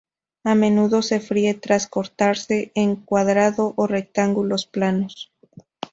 A menudo se fríe tras cortarse en cuadrado o rectángulos planos.